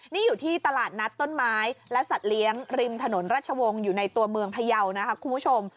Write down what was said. นี่อยู่ที่ตลาดนัดต้นไม้และสัตว์เลี้ยงริมถนนราชวงศ์อยู่ในตัวเมืองพยาวนะคะคุณผู้ชม